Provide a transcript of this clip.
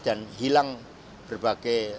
dan hilang berbagai